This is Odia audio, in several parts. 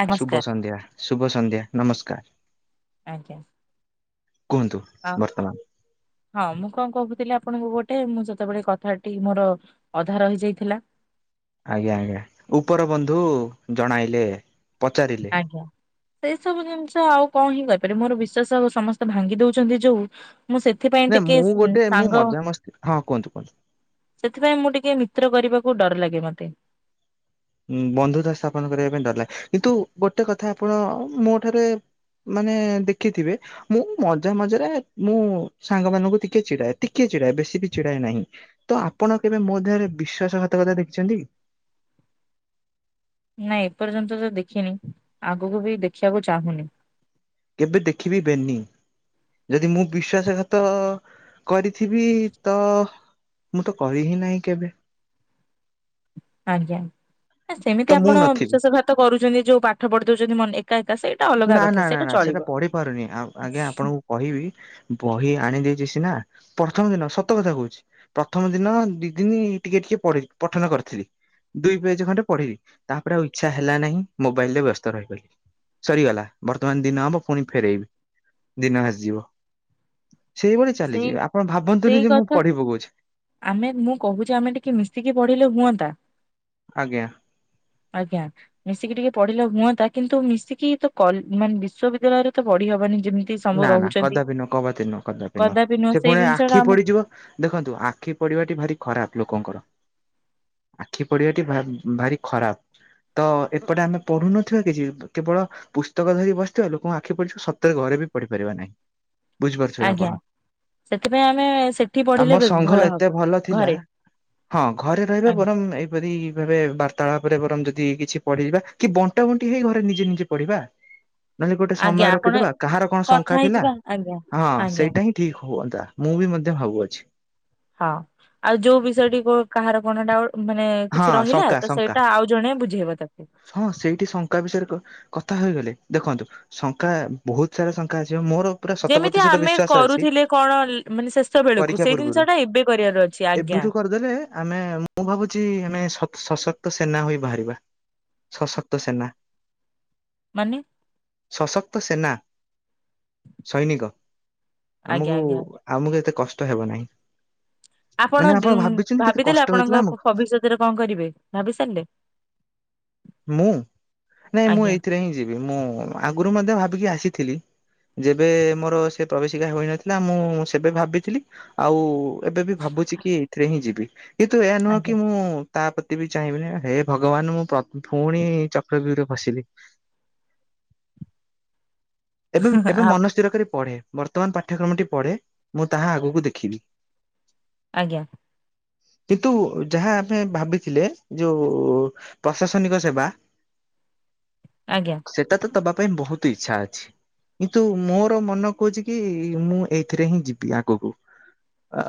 ଆ ଶୁଭ ନମସ୍କାର ସନ୍ଧ୍ୟା ଶୁଭ ସନ୍ଧ୍ୟା ନମସ୍କାର। ଆଜ୍ଞା। କୁହନ୍ତୁ। ଆ ବର୍ତ୍ତମାନ ହଁ ମୁଁ କଣ କହୁଥିଲି ଆପଣଙ୍କୁ ଗୋଟେ ମୁଁ ଯେତେବେଳେ କଥାଟି ମୋର ଅଧା ରହିଯାଇଥିଲା। ଆଜ୍ଞା ଆଜ୍ଞା ଉପର ବନ୍ଧୁ ଜଣାଇଲେ ପଚାରିଲେ। ଆଜ୍ଞା। ସେଇ ସବୁ ଜିନିଷ ଆଉ କଣ ହିଁ କରିପାରିବି ମୋର ବିଶ୍ଵାସ ଅବ ସମସ୍ତେ ଭାଙ୍ଗି ଦଉଛନ୍ତି ଯୋଉ ମୁଁ ସେଥିପାଇଁ ନା ଟିକେ ମୁଁ ଗୋଟେ ମୁଁ ସାଙ୍ଗ ମଜାମସ୍ତି ହଁ କୁହନ୍ତୁ କୁହନ୍ତୁ ସେଥିପାଇଁ ମୁଁ ଟିକେ ମିତ୍ର କରିବାକୁ ଡର ଲାଗେ ମତେ। ହୁଁ ବନ୍ଧୁତା ସ୍ଥାପନ କରିବା ପାଇଁ ଡରିଲ କିନ୍ତୁ ଗୋଟେ କଥା ଆପଣ ମୋ ଠାରେ ମାନେ ଦେଖିଥିବେ ମୁଁ ମଜା ମଜାରେ ମୁଁ ସାଙ୍ଗ ମାନଙ୍କୁ ଟିକେ ଚିଡାଏ ଟିକେ ଚିଡାଏ ବେଶୀ ବି ଚିଡାଏ ନାହିଁ। ତ ଆପଣ କେବେ ମୋ ଦେହରେ ବିଶ୍ଵାସଘାତକତା ଦେଖିଛନ୍ତି କି? ନାଇଁ ଏପର୍ଯ୍ୟନ୍ତ ତ ଦେଖିନି ଆଗକୁ ବି ଦେଖିବାକୁ ଚାହୁଁନି। କେବେ ଦେଖିବି ବେନି। ଯଦି ମୁଁ ବିଶ୍ଵାସଘାତ କରିଥିବି ତ ମୁଁ ତ କହି ହିଁ ନାହିଁ କେବେ। ଆଜ୍ଞା ଅ ତ ସେମିତି ମୁଁ ଆପଣ ନଥିବି ବିଶ୍ୱାସ ଘା ତ କରୁଚନ୍ତି ଯୋଉ ପାଠ ପଢି ଦଉଛନ୍ତି ମନ ଏକା ଏକା ସେଇ ନା ନା ନା ନା ସେଟା ପଢି ପାରୁନି ଆ ଆଜ୍ଞା ଆପଣଙ୍କୁ କହିବି ବହି ଆଣିଦେଇଛି ସିନା ପ୍ରଥମ ଦିନ ସତ କଥା କହୁଚି। ପ୍ରଥମ ଦିନ ଦି ଦିନ ଟିକେ ଟିକେ ପ ପଠନ କରିଥିଲି। ଦୁଇ ପେଜ ଖଣ୍ଡେ ପଢିଲି ତାପରେ ଆଉ ଇଚ୍ଛା ହେଲା ନାହିଁ ମୋବାଇଲ ରେ ବ୍ୟସ୍ତ ରହିଗଲି। ସରିଗଲା ବର୍ତ୍ତମାନ ଦିନ ହବ ପୁଣି ଫେରାଇବି ଦିନ ଆସିଯିବ ସେଇଭଳି ସେଇ ଚାଲିଯିବ ଆପଣ ସେଇ ଭାବନ୍ତୁନି ଯେ ମୁଁ କଥା ପଢିି ପକଉଛି। ଆମେ ମୁଁ କହୁଛି ଆମେ ଟିକେ ମିଶିକି ପଢିଲେ ହୁଅନ୍ତା। ଆଜ୍ଞା। ଆଜ୍ଞା। ମିଶିକି ଟିକେ ପଢିଲେ ହୁଅନ୍ତା କିନ୍ତୁ ମିଶିକି ତ କଲ୍ ମାନେ ବିଶ୍ୱବିଦ୍ୟାଳୟରେ ତ ପଢି ହବନି ଯେମିତି ସବୁ ନା ନା ରହୁଛନ୍ତି କଦାପି ନୁହ କଭାତି ନୁହଁ କଦାପି ନୁହଁ ସେ ସେଇ ପୁଣି ଜିନିଷ ଟା ଆଖି ଆମକୁ ପଡିଯିବ। ଦେଖନ୍ତୁ ଆଖି ପଡିବାଟି ଭାରି ଖରାପ ଲୋକଙ୍କର ଆଖି ପଡିବାଟି ଭା ଭାରି ଖରାପ। ତ ଏପଟେ ଆମେ ପଢୁନଥିବା କିଛି କେବଳ ପୁସ୍ତକ ଧରି ବସିଥିବା ଲୋକଙ୍କୁ ଆଖି ପଢିିବ ସତରେ ଘରେ ବି ପଢି ପାରିବା ନାହିଁ। ବୁଝିପାରୁଥିବେ ଆଜ୍ଞା ଆପଣ ସେଥିପାଇଁ ଆମେ ସେଠି ପଢିଲେ ଆମ ବେ ସଂଘ ଭଲ ହବ ଏତେ ଭଲ ଥିଲା ଘରେ ହଁ ଘରେ ରହି ରହି ଆଜ୍ଞା ବରଂ ଏ ପରି ଭାବେ ବାର୍ତ୍ତାଳାପ ପରେ ବରଂ ଯଦ କିଛି ପଢିଯିବା କି ବଣ୍ଟା ବଣ୍ଟି ହେଇ ଘରେ ନିଜେ ନିଜେ ପଢିବା। ହଁ [inaudible] ନହେଲେ ଗୋଟେ ସମୟ ରଖିଦବା କାହାର କଣ କଥା ଶଙ୍ଖା ଥିଲା ହେଇଯିବା ଆଜ୍ଞା। ହଁ ଆଜ୍ଞା ସେଇଟା ହିଁ ଠିକ ହୁଅନ୍ତା ମୁଁ ବି ମଧ୍ୟ ଭାବୁଅଛି। ହଁ ଆଉ ଯୋଉ ବିଷୟଟି କ କାହାର କଣଟା ମାନେ ହଁ କିଛି ରହିଲା ଶଙ୍କା ତ ଶଙ୍କା ସେଇଟା ଆଉ ଜଣେ ବୁଝେଇବ ତାକୁ। ହଁ ସେଇଠି ଶଙ୍ଖା ବିଷୟରେ କ କଥା ହୋଇଗଲେ ଦେଖନ୍ତୁ ଶଙ୍ଖା ବହୁତ ସାରା ଶଙ୍ଖା ଆସିବ ମୋର ପୁରା ଶତ ଯେମିତି ପ୍ରତିଶତ ଆମେ ବିଶ୍ଵାସ ଅଛି କରୁଥିଲେ କଣ ଲେ ମାନେ ଶେଷ ବେଳକୁ ପରୀକ୍ଷା ସେଇ ପୂର୍ବରୁ ଜିନିଷ ଟା ଏବେ କରିବାର ଅଛି ଆଜ୍ଞା। ଏବେଠୁ ଆମେ ମୁଁ ଭାବୁ ଚି ଆମେ ସ ସଶକ୍ତ ସେନା ହୋଇ ବାହାରିବା ସଶକ୍ତ ସେନା ମାନେ ସଶକ୍ତ ସେନା ସୈନିକ ଆଜ୍ଞା ଆମକୁ ଆଜ୍ଞା। ଆଉମକୁ ଏତେ କଷ୍ଟ ହେବ ନାହିଁ। ଆପଣ ମାନେ ଦୁମ ଭାବିଛନ୍ତି କେତେ ଭାବିଦେଲେ କଷ୍ଟ ହେଇଥିଲା ଆପଣଙ୍କପ ଆମକୁ ଭବିଷ୍ୟତରେ କଣ କରିବେ ଭାବି ସାରିଲେ ମୁଁ ନାଇଁ ମୁଁ ଆଜ୍ଞା ଏଇଥିରେ ହିଁ ଯିବି ମୁଁ ଆଗରୁ ମଧ୍ୟ ଭାବିକି ଆସିଥିଲି। ଯେବେ ମୋର ସେ ପ୍ରବେଶିକା ହୋଇନଥିଲା ମୁଁ ସେବେ ଭାବିଥିଲି ଆଉ ଏବେ ବି ଭାବୁଛି କି ଏଇଥିରେ ହିଁ ଯିବି କିନ୍ତୁ ଏହା ନୁହଁ ଆଜ୍ଞା କି ମୁଁ ତା ପ୍ରତି ବି ଚାହିଁବିିନି ହେ ଭଗବାନ ମୁଁ ପ ପୁଣି ଚକ୍ର ବିରେ ପସିଲି ଏବେ ଏବେ ଆ- ମନ ସ୍ଥିର କରି ପଢେ ବର୍ତ୍ତମାନ ପାଠ୍ୟକ୍ରମଟି ପଢେ ମୁଁ ତାହା ଆଗକୁ ଦେଖିବି ଆଜ୍ଞା। କିନ୍ତୁ ଯାହା ଆମେ ଭାବିଥିଲେ ଯୋଉ ପ୍ରଶାସନିକ ସେବା ଆଜ୍ଞା! ସେଟା ତ ତବା ପାଇଁ ବହୁତ ଇଚ୍ଛା ଅଛି କିନ୍ତୁ ମୋର ମନ କହୁଛି କି ମୁଁ ଏଇଥିରେ ହିଁ ଯିବି ଆଗକୁ ଆ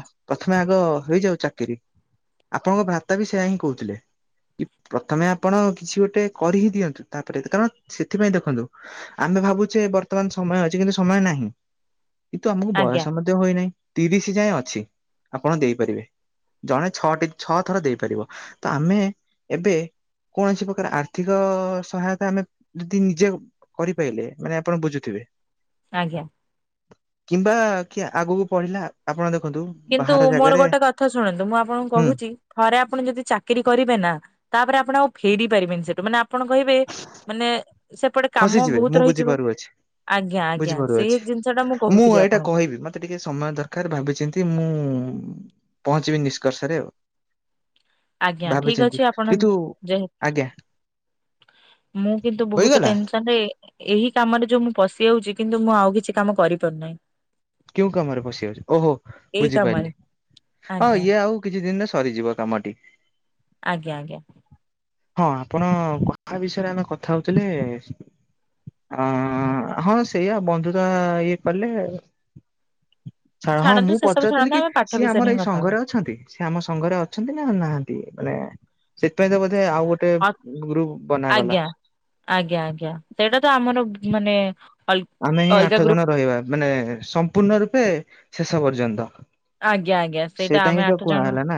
- ପ୍ରଥମେ ଆଗ ହେଇଯାଉ ଚାକିରି ଆପଣଙ୍କ ଭ୍ରାତା ବି ସେୟା ହିଁ କହୁଥିଲେ। କି ପ୍ରଥମେ ଆପଣ କିଛି ଗୋଟେ କରି ହି ଦିଅନ୍ତୁ ତାପରେ କାରଣ ସେଥିପାଇଁ ଦେଖନ୍ତୁ। ଆମେ ଭାବୁଛେ ବର୍ତ୍ତମାନ ସମୟ ଅଛି କିନ୍ତୁ ସମୟ ନାହିଁ କିନ୍ତୁ ଆମକୁ ଆଜ୍ଞା ବୟସ ମ ଧ୍ୟ ହୋଇନାହିଁ ତିରିଶ ଯାଏଁ ଅଛି ଆପଣ ଦେଇପାରିବେ ଜଣେ ଛଅଟି ଛଅ ଥର ଦେଇପାରିବ ତ ଆମେ ଏବେ କୌଣସି ପ୍ରକାର ଆର୍ଥିକ ସହାୟତା ଆମେ ଯଦି ନିଜେ ପେଲେ ମାନେ ଆପଣ ବୁଝୁଥିବେ ଆଜ୍ଞା! କିମ୍ବା କିଏ ଆଗକୁ ପଢିଲା ଆପଣ ଦେଖନ୍ତୁ। କିନ୍ତୁ ବାହାର ମୋର ଜାଗାରେ ଗୋଟେ କଥା ଶୁଣନ୍ତୁ ମୁଁ ଆପଣଙ୍କୁ ହୁଁ କହୁଛି। ଥରେ ଆପଣ ଯଦି ଚାକିରି କରିବେ ନା ତାପରେ ଆପଣ ଆଉ ଫେରି ପାରିବନି ସେଠୁ ମାନେ ଆପଣ କହିବେ ମାନେ ସେପଟେ କାମ ଫସିଯିବେ ମୁଁ ବହୁତ ରହିଯିବ। ବୁଝିପାରୁଅଛି ଆଜ୍ଞା ଆଜ୍ଞା ବୁଝିପାରୁଅଛି ସେଇ ଜିନିଷ ଟା ମୁଁ କହୁଥିଲି ଏଇଟା ଆପଣଙ୍କୁ କହିବି ମତେ ଟିକେ ସମୟ ଦରକାର ଭାବିଛନ୍ତି ମୁଁ ପହଞ୍ଚିବି ନିଷ୍କର୍ଷରେ ଆଉ ଆଜ୍ଞା ଠିକ ଭାବିଚିନ୍ତି ଅଛି ଆପଣ କିନ୍ତୁ ଆଜ୍ଞା ଯେହେତୁ ମୁଁ କିନ୍ତୁ ବହୁତ ହୋଇଗଲା ଟେନସ ତାନ୍ଦେ ଏହି କାମରେ ଯୋଉ ମୁଁ ପଶିଯାଉଛି କିନ୍ତୁ ମୁଁ ଆଉ କିଛି କାମ କରିପାରୁନାହିଁ। କେଉଁ କାମରେ ପଶି ଆଉଛି ଓହୋ ଏଇ କାମରେ ବୁଝିପାରିଲି ହଁ ଆଜ୍ଞା। ଇଏ ଆଉ କିଛି ଦିନରେ ସରିଯିବ କାମଟି ଆଜ୍ଞା ଆଜ୍ଞା। ହଁ ଆପଣ କାହା ବିଷୟରେ ଆମେ କଥା ହୋଉଥୁଲେ। ଆଁ ହଁ ସେଇଆା ବନ୍ଧୁତା ଇଏ କିଲେ। ଛାଡ ହଁ ଛାଡନ୍ତୁ ମୁଁ ସେ ସବୁ ପଚାରୁିଥିଲି ଛାଡନ୍ତୁ କି ଆମେ ପାଠ ସିଏ ବିଷୟରେ ଆମର ହିଁ ଏଇ କଥା ସଂଘରେ ଅଛନ୍ତି। ସିଏ ଆମ ସଂଘରେ ଅଛନ୍ତି ନା ନାହାନ୍ତି ମାନେ ସେଥିପାଇଁ ତ ବୋଧେ ଆଉ ଗୋ ଟେ ହବା। ଗ୍ରୁପୁ ବନାଗଲା ଆଜ୍ଞା ଆଜ୍ଞା ଆଜ୍ଞା ସେଇଟା ତ ଆମର ମାନେ ଅଲ ଆମେ ହିଁ ଅଲଗା ଆଠ ଜଣ ଗ୍ରୁପ ରହିବା ମାନେ ସମ୍ପୂର୍ଣ୍ଣ ରୂପେ ଶେଷ ପର୍ଯ୍ୟନ୍ତ। ଆଜ୍ଞା ଆଜ୍ଞା ସେଇଟା ସେଟା ଆମେ ହିଁ ତ ଆଠ କୁହା ଜଣ ହେଲା ନା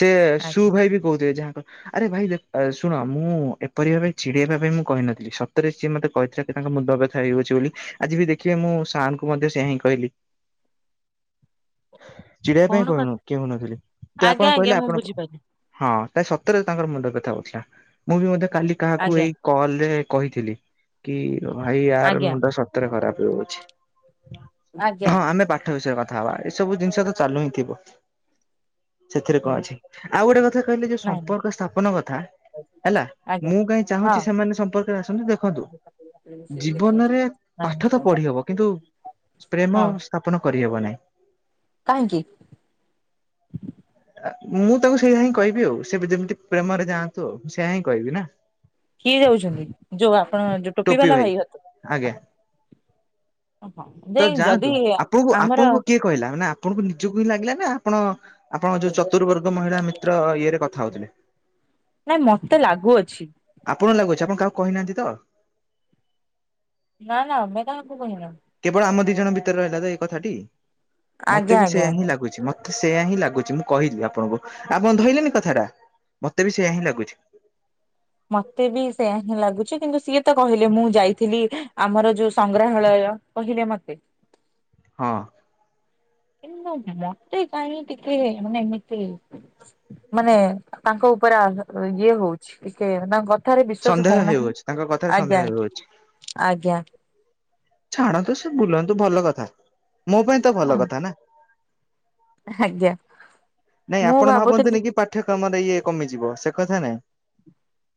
ସେ ସୁ ଆଜ୍ଞା ଭାଇ ବି କୋହୁଥୁବେ ଯାହା କ ଆରେ ଭାଇ ଦେ ଅ ଶୁଣ ମୁଁ ଏପରି ଭାବେ ଚିଡେଇବା ପାଇଁ ମୁଁ କହିନଥିଲି ସତରେ ସିଏ ମତେ କହିଥିଲା କି ତାଙ୍କ ମୁଣ୍ଡବ୍ୟଥା ହେଉଅଛି ବୋଲି। ଆଜି ବି ଦେଖିବେ ମୁଁ ଶାନଙ୍କୁ ମଧ୍ୟ ସେୟା ହିଁ କହିଲି। ଚିଡେଇବା ପାଇଁ କଣ କହୁନ କଥା କେହୁନଥିଲେ କି ଆପଣ ଆଜ୍ଞା କହିଲେ ଆଜ୍ଞା ମୁଁ ଆପଣ ବୁଝିପାରିଲି ହଁ ତା ସତରେ ତାଙ୍କର ମୁଣ୍ଡ ବ୍ୟଥା ହୋଉଥିଲା ମୁଁ ବି ମଧ୍ୟ କାଲି କାହାକୁ ଆଜ୍ଞା ଏଇ କଲ ରେ କହିଥିଲି କି ଭାଇ ୟାର ଆଜ୍ଞା ମୁଣ୍ଡ ସ ତରେ ଖରାପ ରହୁଛି ଆଜ୍ଞା ହଁ ଆମେ ପାଠ ବିଷୟରେ କ ଥାହବା ଏସବୁ ଜିନିଷ ତ ଚାଲୁ ହିଁ ଥିବ। ସେଥିରେ କଁ ହୁଁ। ଅଛି ଆଉ ଗୋଟେ କଥା କହିଲେ ଯୋଉଁ ନାଇଁ ସମ୍ପର୍କ ସ୍ଥାପନ କଥା। ନାଇଁ ହେଲା ଆଜ୍ଞା ମୁଁ କାହିଁ ହଁ। ଚାହୁଁଚି ସେମାନେ ସମ୍ପର୍କରେ ଆସନ୍ତୁ ଦେଖନ୍ତୁ। ଜୀବନରେ [unintelligible] ପାଠ ତ ପଢି ହବ କିନ୍ତୁ ପ୍ରେମ ହଁ ସ୍ଥାପନ କରିହେବ ନାହିଁ। କାହିଁକି। ମୁଁ ତାଙ୍କୁ ସେଇା ହିଁ କହିବି ଆଉ ସେ ବି ଯେମିତି ପ୍ରେମରେ ଯାଆନ୍ତୁ ଆଉ ମୁଁ ସେୟା ହିଁ କହିବି ନା। କିଏ ଯାଉଛନ୍ତି ଯୋଉ ଆପଣ ଯୋଉ ଟୋପି ବାଲା ଭାଇ ଭାଉଜ ଆଜ୍ଞା। [unintelligible] ତ ଯାଆନ୍ତୁ ଆପଣଙ୍କୁ ଆମର ଆପଣଙ୍କୁ କିଏ କହିଲା ମାନେ ଆପଣଙ୍କୁ ନିଜକୁ ହିଁ ଲାଗିଲା ନା ଆପଣ ଆପଣଙ୍କ ଯୋଉ ଚତୁବର୍ଗ ମହିଳା ମିତ୍ର ଇଏରେ ନାଇଁ କଥା ହୋଉଥୁଲେ। ନାଇଁ ମତେ ଲାଗୁଅଛି। ଆପଣଙ୍କୁ ଲାଗୁଛି ଆପଣ କାହାକୁ କହିନାହାନ୍ତି ତ। ନା ନା ଆମେ କାହାକୁ କହିିନୁ। କେବଳ ଆମ ଦି ଜଣଙ୍କ ଭିତରେ ରହିଲା ତ ଏଇ କଥା ଟି ଆଜ୍ଞା ମତେ ବି ଆଜ୍ଞା ସେୟିଆ ହିଁ ଆଜ୍ଞା ଲାଗୁଛି ମ ତେ ସେୟା ହିଁ ଲାଗୁଚି ମୁଁ କହିଲି ଆପଣଙ୍କୁ ଆପଣ ଧଇଲେନି କଥାଟା ମତେ ବି ସେଇୟା ହିଁ ଲାଗୁଛି। ମତେ ବି ସେଇୟା ହିଁ ଲାଗୁଛି କିନ୍ତୁ ସିଏ ତ କହିଲେ ମୁଁ ଯାଇଥିଲି ଆମର ଯୋଉ ସଂଗ୍ରହାଳୟ। କହିଲେ ମତେ। ହଁ। କିନ୍ତୁ ମତେ କାହିଁ ଟିକେ ମାନେ ଏମିତି ମାନେ ତାଙ୍କ ଉପରେ ଆ ଇଏ ହୋଉଛି ଟିକେ ତାଙ୍କ କ ଠାରେ ବିଶ୍ଵାସ ସନ୍ଦେହ ହୋଉନାହିଁ ହେଉଅଛି ତାଙ୍କ କଥାରେ ସନ୍ଦେହ ଆଜ୍ଞା ଆଜ୍ଞା ହେଉଅଛି ଆଜ୍ଞା। ଛାଡ଼ନ୍ତୁ ସେ ବୁଲନ୍ତୁ ଭଲ କଥା ମୋ ପାଇଁ ତ ଭଲ କଥା ନା। ଆଜ୍ଞା। ନାଇଁ ମୁଁ ଆପଣ ଭାବୁଥିଲି ଭାବନ୍ତେନି କି ପାଠ୍ୟକ୍ରମରେ ଇଏ କମିଯିବ ସେ କଥା ନାଇଁ।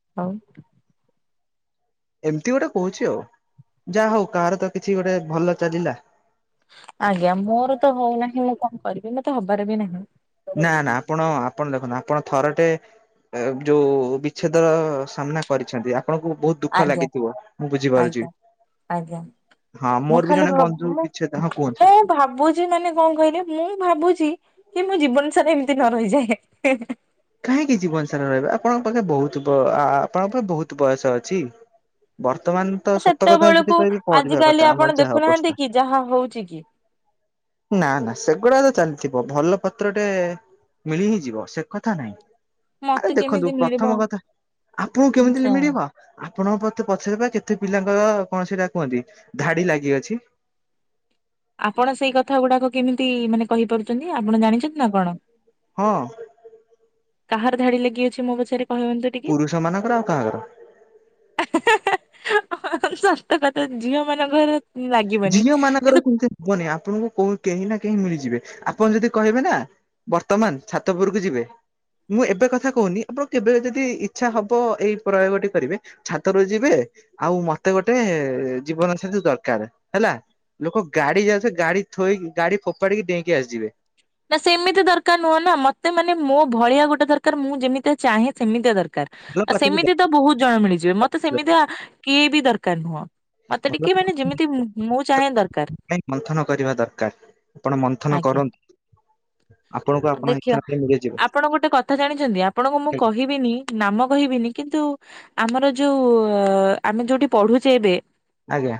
[unintelligible] ଏମିତି ଗୋଟେ କୋହୁଛି ଆଉ ଯାହା ହୋଉ କାହାର ତ କିଛି ଗୋଟେ ଭଲ ଚାଲିଲା। ଆଜ୍ଞା ମୋରୋ ତ ହୋଉ ନାହିଁ ମୁଁ କଁ କରିବି ମତେ ହବାର ବି ନାହିଁ। ନା ନା ଆପଣ ଆପଣ ଦେଖନ୍ତୁ ଆପଣ ଥରଟେ ଏବ୍ ଯୋଉ ବିଚ୍ଛେଦର ସାମ୍ନା କରିଛନ୍ତି ଆପଣଙ୍କୁ ବୋହୁତ ଦୁଃଖ ଆଜ୍ଞା ଲାଗିଥିବ ମୁଁ ଆଜ୍ଞା ବୁଝିପାରୁଚି। ଆଜ୍ଞା। ହଁ ମୁଁ ମୋରୋ ବି ଖାଲି ଜଣେ ବନ୍ଧୁ ଭାବୁ ମୁଁ ବିଚ୍ଛେଦ ହଁ କୁହନ୍ତି। ମୁଁ ଭାବୁଛି ମାନେ କଁ କହିଲେ ମୁଁ ଭାବୁଛି କି ମୁଁ ଜୀବନ ସାରା ଏମିତି ନ ରହିଯାଏ। [unintelligible] କାହିଁକି ଜୀବନ ସାରା ରହିବେ ଆପଣଙ୍କ ପାଖେ ବହୁତ ଆପଣଙ୍କ ପାଖ ବହୁତ ବୟସ ଅଛି। ବର୍ତ୍ତମାନ! ତ ସତ କଥା ସେଠି ସେତେବେଳକୁ କହିବି କରିବା ଆଜିକାଲି କଥା ଆପଣ ଆମର ଯାହା ଦେଖୁନାହାନ୍ତି ଅବସ୍ଥା। କି ଯାହା ହଉଛି କି ନା ନା ସେଗୁଡା ତ ଚାଲିଥିବ ଭଲ ପାତ୍ରଟେ ମିଳି ହିଁ ଯିବ। ସେକଥା, ନଁ ଆରେ ମତେ ଦେଖନ୍ତୁ କେମିତି ମିଳିବ ପ୍ରଥମ କଥା ଆପଣଙ୍କୁ କେମିତି ଆଛା ମିଳିବ। ଆପଣ ମତେ ପଚାରବା କେତେ ପିଲାଙ୍କର କଣ ସେଇଟା କୁହନ୍ତି ଧାଡି ଲାଗିଅଛି। ଆପଣ ସେଇ କଥା ଗୁଡାକ କେମିତି ମାନେ କହିପାରୁଛନ୍ତି। ଆପଣ ଜାଣିଛନ୍ତି ନା କଣ? ହଁ। କାହାର ଧାଡି ଲାଗି ଅଛି ମୋ ପଛରେ କହିବ। ପୁରୁଷ ମାନଙ୍କର ଆଉ କାହାର। ସତ କଥା ଝିଅ ମାନଙ୍କର ଲାଗିବନି ଝିଅ କିନ୍ତୁ ମାନଙ୍କର। ହବନି ଆପଣଙ୍କୁ କେହି ନା କେହି ମିଳିଯିବେ ଆପଣ ଯଦି କହିବେ ନା ବର୍ତ୍ତମାନ ଛାତପୁରକୁ ଯିବେ? ମୁଁ ଏବେ କଥା କହୁନି ଆପଣ କେବେ ଯଦି ଇଚ୍ଛା ହବ ଏଇ ପ୍ରୟୋଗଟି କରିବେ। ଛାତରୁ ଯିବେ ଆଉ ମତେ ଗୋଟେ ଜୀବନ ସାଥି ଦର୍ କାର ହେଲା ଲୋକ ଗାଡି ଯା ସେ ଗାଡି ଥୋଇକି ଗାଡି ଫୋପାଡିକି ଡେଇକି ଆସିଯିବେ। ନା ସେମିତି ଦରକାର ନୁହଁ ନା ମତେ ମାନେ ମୋ ଭଳିଆ ଗୋଟେ ଦରକାର ମୁଁ ଯେମିତି ଚାହେଁ ସେମିତିଆ ଦରକାର। ଭଲ ଆଉ ପାଠକୁ ସେମିତି ତ ବହୁତ ଜଣ ମିଳିଯିବେ ମତେ ଦରକାର, ସେମିତି କିଏ ବି ଦରକାର ନୁହଁ। ମତେ ଭଲ ଟିକେ ପାଠ ମାନେ ଯେମିତି ମୁଁ ଚାହେଁ ଦରକାର। ପାଇଁ ମନ୍ଥନ କରିବା ଦରକାର ଆପଣ ମନ୍ଥନ ଆଜ୍ଞା। କରନ୍ତୁ। ଆପଣଙ୍କୁ ଆପଣ ଇଚ୍ଛା ଦେଖିବା ଅନୁଯାୟୀ ମିଳିଯିବ ଆପଣ ଗୋଟେ କଥା ଜାଣିଛନ୍ତି ଆପଣଙ୍କୁ ମୁଁ କହିବିନି ନାମ କହିବିନି କିନ୍ତୁ ଆମର ଯୋଉ ଆମେ ଯୋଉଠି ପଢୁଛେ ଏବେ। ଆଜ୍ଞା।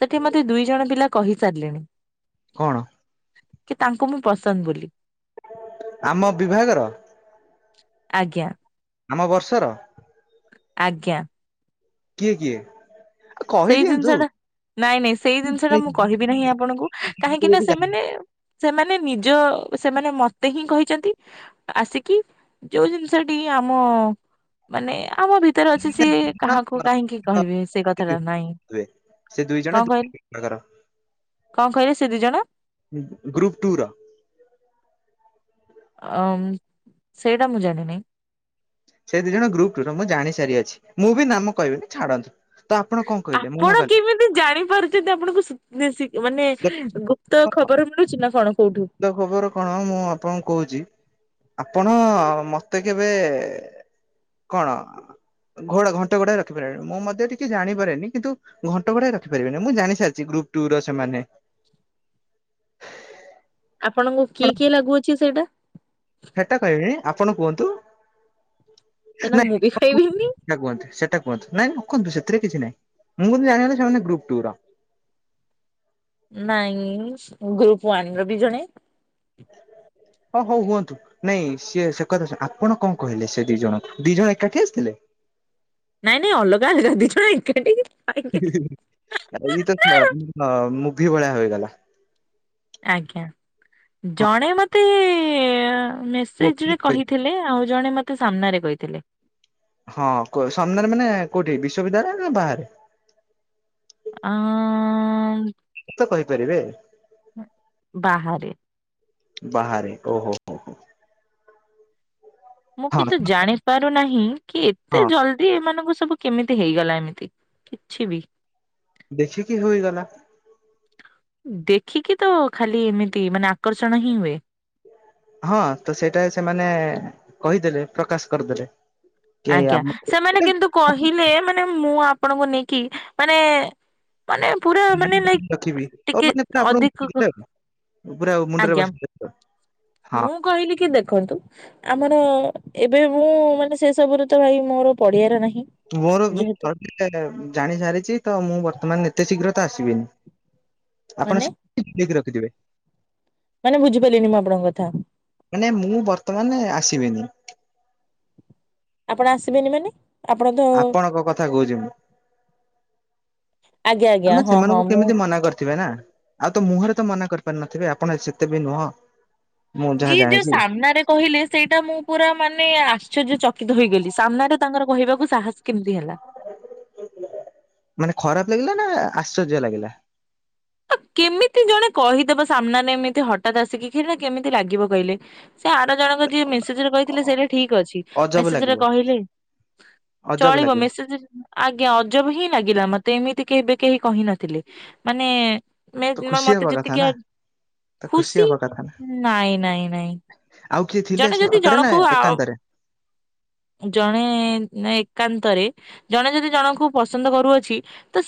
ସେଠି ମତେ ଦୁଇ ଜଣ ପିଲା କହିସାରିଲେଣି। କଣ? କି ତାଙ୍କୁ ମୁଁ ପସନ୍ଦ ବୋଲି ବୋଲି। ଆମ ବିଭାଗର? ଆଜ୍ଞା। ଆମ ବର୍ଷର। ଆଜ୍ଞା। କିଏ କିଏ ସେଇ ଜିନିଷ କହିଦିଅନ୍ତୁ? ଟା ନାଇଁ ନାଇଁ ସେଇ ଜିନିଷ ଟା ମାନେ ମୁଁ ଦି କହିବି ନାହିଁ ଆପଣଙ୍କୁ କାହିଁକି ନା ଗୋଟେ ସେମାନେ ସେମାନେ ନିଜ ସେମାନେ ମତେ ହିଁ କହିଛନ୍ତି। ଆସିକି ଯୋଉ ଜିନିଷଟି ଆମ ମାନେ ଆମ ଭି ତରେ ଅଛି ଜାଣିକିନା ସିଏ ଦି କାହାକୁ ଜଣ କାହିଁକି ହଁ କହିବେ ସେ କଥା। [inaudible] ସେ ଦୁଇ ଜଣ କହିଲେ [inaudible] କଣ କହିଲେ ସେ ଦିଇ ଜଣ? ଗ୍ରୁପ ଟୁ ରା। ଅ ସେଇଟା ମୁଁ ଜାଣିନି। ସେ ଦି ଜଣ ଗ୍ରୁପ୍ ଟୁ ର ମୁଁ ଜାଣି ସାରି ଅଛି ମୁଁ ବି ନାମ କହିବି ଛାଡନ୍ତୁ। ତ ଆପଣ କଣ କହିଲେ ମନା ଆପଣ କଲେ କେମିତି ଜାଣିପାରୁଛନ୍ତି ଆପଣଙ୍କୁ ମାନେ ଗୁପ୍ତ ଖବର ମିଳୁଛି ନା କଣ କୋଉଠୁ? ତ ଖବର କଣ ମୁଁ ଆପଣଙ୍କୁ କହୁଛି ଆପଣ ମତେ କେବେ କଣ ଘୋଡା ଘଣ୍ଟ ଘୋଡା ରଖିପାରିଲଣିି ମୁଁ ମଧ୍ୟ ଟିକେ ଜାଣିପାରେନି କିନ୍ତୁ ଘଣ୍ଟଗୋଡ଼ାଇ ରଖିପାରିବିନି ମୁଁ ଜାଣି ସାରିଛି ଗ୍ରୁପ୍ ଟୁ ର ସେମାନେ। ଆପଣଙ୍କୁ କିଏ କିଏ ଲାଗୁଅଛି ସେଇଟା। ସେଟା କହିବିନି ଆପଣ କୁହନ୍ତୁ ସେଇଟା ନାଇଁ ମୁଁ ବି କହିବିନି [unintelligible] ସେଟାହନ୍ତୁ ସେଟା କୁହୁନ୍ତୁ ନାଇ ରଖନ୍ତୁ ସେଥିରେ କିଛି ନାଇଁ ମୁଁ କିନ୍ତୁ ଜାଣିଲ ସେମାନେ ଗ୍ରପ ଟୁ ର। ନାଇଁ ଗ୍ରୁପ ୱାନ ର ବି ଜଣେ। ହଁ ହଉ ହୁଅନ୍ତୁ ନାଇଁ ସିଏ ସେ କଥା ଆପଣ କଣ କହିଲେ ସେ ଦି ଜଣ ଦି ଜଣ ଏକାଠି ଆସିଥିଲେ? ନାଇଁ ନାଇଁ ଅଲଗା ଅଲଗା ଅଲଗା ଦି ଜଣ ଏକାଠି। ଖାଇବେ। ଏଇ ତ ମୁଭିି ଭଳିଆ ହୋଇଗଲା। ଆଜ୍ଞା ହଁ ଜଣେ ମତେ ମେ ସେଯେ ମୁଭି ରେ କହିଥିଲେ ଆଉ ଜଣେ ମତେ ସାମ୍ନାରେ କହିଥିଲେ। ହଁ ସାମ୍ନାରେ ମାନେ କୋଉଠି ବିଶ୍ୱବିଦ୍ୟାଳୟ ନା ବାହାରେ? ଆ। ତ କହିପାରିବେ। ବାହାରେ। ବାହାରେ ଓହୋ ହ ହ। ମୁଁ ହଁ କିନ୍ତୁ ଜାଣି ପାରୁନାହିଁ କି ଏତେ ହଁ ଜଲ ଦି ଏମାନଙ୍କୁ ସବୁ କେମିତି ହେଇଗଲା ଏମିତି କିଛି ବି। ଦେଖିକି ହୋଇଗଲା। ଦେଖିକି ତ ଖାଲି ଏମିତି ମାନେ ଆକର୍ଷଣ ହିଁ ହୁଏ। ହଁ ତ ସେଇଟା ସେମାନେ କହିଦେଲେ ପ୍ରକାଶ କରିଦେଲେ। କି ଆଜ୍ଞା ଆମକୁ ସେମାନେ କିନ୍ତୁ କହିଲେ ମାନେ ମୁଁ ଆପଣଙ୍କୁ ନେଇକି ମାନେ। ମାନେ ପୁରା। ମାନେ ଲାଇକ୍ ରଖିବି ଆଉ ଟିକେ ମାନେ ଅଧିକ ଆପଣ ପୁରା ମୁଣ୍ଡରେ ଆଜ୍ଞା ବସିଲା। ମୁଁ କହିଲି କି ଦେଖନ୍ତୁ। ଆମର ଏବେ ମୁଁ ମାନେ ସେ ସବୁରେ ତ ଭାଇ ମୋର ପଡିଆର ନାହିଁ। ମୋର ମୁଁ ଯେହେତୁ ଘର ଟିକେ ଜାଣି ସାରିଛି ତ ମୁଁ ବର୍ତ୍ତମାନ ଏତେ ଶୀଘ୍ର ତ ଆସିବିନି। ଆପଣ ମାନେ ଆ ଠିକ୍ ରଖିଥିବେ। ମାନେ ବୁଝିପାରିଲିନି ମୁଁ ଆପଣଙ୍କ କଥା। ମାନେ ମୁଁ ବର୍ତ୍ତମାନ ଆସିବିନି। ଆପଣ ଆସିବେନି ମାନେ। ଆପଣ ତ ଆପଣଙ୍କ କଥା କହୁଛି ମୁଁ। ଆଜ୍ଞା ଆଜ୍ଞା ଆମେ ହଁ ହଁ ସେମାନଙ୍କୁ ମୁଁ କେମିତି ମନା କରିଥିବେ ନା। ଆଉ ତ ମୁହଁରେ ତ ମନା କରିପାରୁିନଥିବେ ଆପଣ ସେତେ ବି ନୁହଁ। ମୁଁ ଯାହା ଯିଏ ଯୋଉ ଜାଣିଛି ସାମ୍ନାରେ କହିଲେ ସେଇଟା ମୁଁ ପୁରା ମାନେ ଆଶ୍ଚର୍ଯ୍ୟ ଚକିତ ହେଇଗଲି ସାମ୍ନାରେ ତାଙ୍କର କହିବାକୁ ସାହସ କେମିତି ହେଲା। ମାନେ ଖରାପ ଲାଗିଲା ନା ଆଶ୍ଚର୍ଯ୍ୟ ଲାଗିଲା? କେମିତି ଜଣେ କହିଦବ ସାମ୍ନାରେ ଏମିତି ହଠତ୍ ଆସିକି କ୍ଷୀରେ କେମିତି ଲାଗିବ କହିଲେ? ସେ ଆର ଜଣକ ଯିଏ ମେସେଜରେ କହିଥିଲେ ସେଇଟା ଠିକ ଅଛି। ଅଜବ ମେସେଜରେ ଲାଗିବ କହିଲେ ଅଜବ ଚଳିବ ଲାଗିବ ମେସେଜରେ ଆଜ୍ଞା ଅଜବ ହିଁ ଲାଗିଲା ମତେ ଏମିତି କେବେ କେହି କହିନଥିଲେ ମାନେ। ମେ ତ ମୋ ଖୁସି ମତେ ହବା କଥା ଯେତିକି ନା ତ ଖୁସି ହବା କଥା ନା ନାଇଁ ନାଇଁ ନାଇଁ। ଆଉ କିଏ ଥିଲେ ଜଣେ ସେ ଯଦି ପାଖରେ ନା ଜଣଙ୍କୁ ଆଉ ଏକାନ୍ତରେ ଜଣେ ଏକାନ୍ତରେ ଜଣେ ଯଦି ଜଣଙ୍କୁ ପସନ୍ଦ କରୁଅଛି ତ ସେ